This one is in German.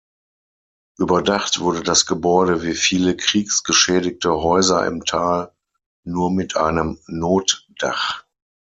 Überdacht wurde das Gebäude, wie viele kriegsgeschädigte Häuser im Tal, nur mit einem Notdach.